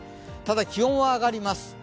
ただ、気温は上がります。